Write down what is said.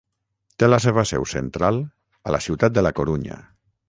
Té la seva seu central a la ciutat de La Corunya.